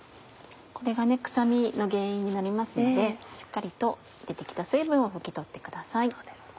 これが臭みの原因になりますのでしっかりと出て来た水分を拭き取ってください。